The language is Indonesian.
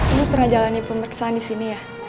ibu pernah jalannya pemersih disini ya